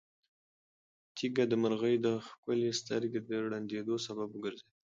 تیږه د مرغۍ د ښکلې سترګې د ړندېدو سبب وګرځېده.